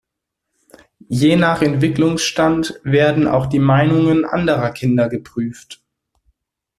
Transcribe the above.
Je nach Entwicklungsstand werden auch die Meinungen anderer Kinder geprüft.